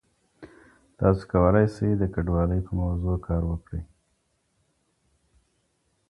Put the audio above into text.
تاسو کولای سئ د کډوالۍ په موضوع کار وکړئ.